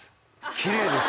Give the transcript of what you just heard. きれいです